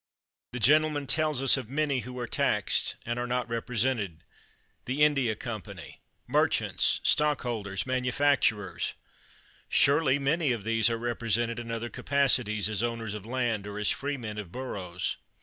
The gentleman tells us of many who are taxed, and are not represented — the India company, merchants, stockholders, manu facturers. Surely many of these are repre sented in other capacities, as owners of land, or as freemen of boroughs.